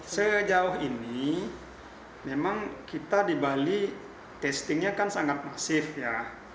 sejauh ini memang kita di bali testingnya kan sangat masif ya